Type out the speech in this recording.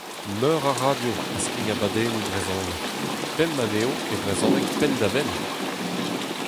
Meur a radio a skign abadennoù brezhonek, pemp anezho e brezhoneg penn-da-benn !